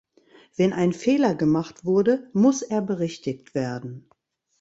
Wenn ein Fehler gemacht wurde, muss er berichtigt werden.